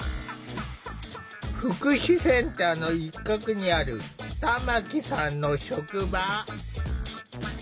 福祉センターの一角にある玉木さんの職場。